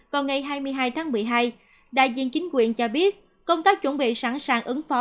vào ngày hai mươi hai tháng một mươi hai đại diện chính quyền cho biết công tác chuẩn bị sẵn sàng ứng phó